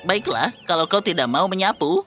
baiklah kalau kau tidak mau menyapu